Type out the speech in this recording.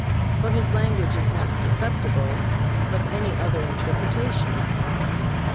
For His language is not susceptible of any other interpretation.